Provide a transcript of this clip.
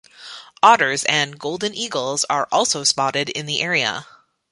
Otters and golden eagles are also spotted in the area.